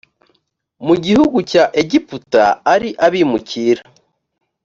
mu gihugu cya egiputa ari abimukira